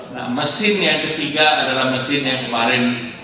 nah mesin yang ketiga adalah mesin yang kemarin